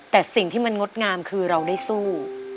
แต่สิ่งที่มันงดงามคือเราได้สู้